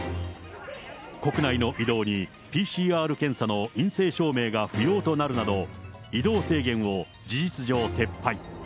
国内の移動にＰＣＲ検査の陰性証明が不要となるなど、移動制限を事実上撤廃。